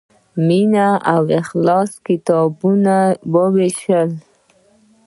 په مینه او اخلاص مې کتابونه ووېشل.